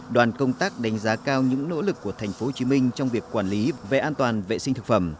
đoàn công tác đánh giá cao những nỗ lực của tp hcm trong việc quản lý về an toàn vệ sinh thực phẩm